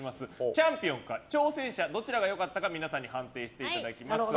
チャンピオンか挑戦者どちらが良かったか皆さんに判定していただきます。